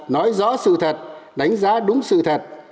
nói rõ sự thật đánh giá đúng sự thật